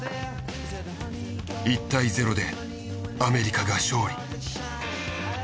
１対０でアメリカが勝利。